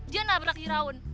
dia nabrak si raun